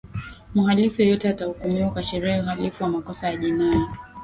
mhalifu yeyote atahukumiwa kwa sheria ya uhalifu wa makosa ya jinai